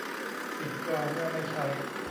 ปิดจอเมื่อไม่ใช้